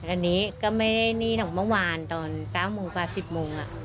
อันนี้ก็ไม่ได้หนี้หลังเมื่อวานตอนเก้าโมงกว่าสิบโมงอ่ะ